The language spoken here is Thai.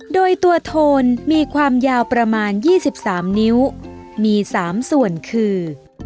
โดยตัวโทนมีความยาวประมาณ๒๓นิ้วมี๓ส่วนคือ